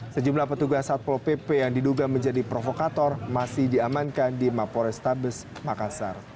sejumlah petugas satpol pp yang diduga menjadi provokator masih diamankan di mapo restabes makassar